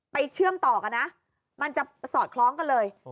เชื่อมต่อกันนะมันจะสอดคล้องกันเลย